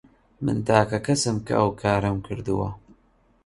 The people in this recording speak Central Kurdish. من تاکە کەسم کە ئەو کارەم کردووە.